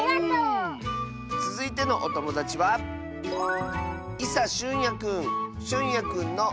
つづいてのおともだちはしゅんやくんの。